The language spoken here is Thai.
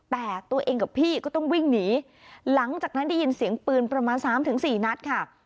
แต่ตัวเองกับพี่ก็ต้องวิ่งหนีหลังจากนั้นได้ยินเสียงปืนประมาณสามถึงสี่นัดค่ะ